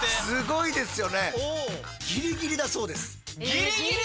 すごいですよね。